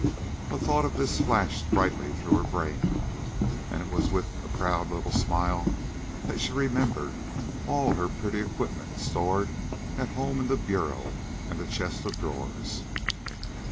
A thought of this flashed brightly through her brain, and it was with a proud little smile that she remembered all her pretty equipment stored at home in the bureau and the chest of drawers.